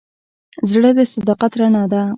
زړه د صداقت رڼا ده.